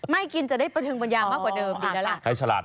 ไม่กินจะได้ประเทิงปัญญามากกว่าเดิม